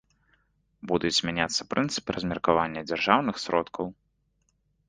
Будуць змяняцца прынцыпы размеркавання дзяржаўных сродкаў.